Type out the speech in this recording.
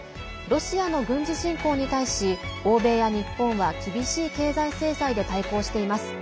ロシアの軍事侵攻に対し欧米や日本は厳しい経済制裁で対抗しています。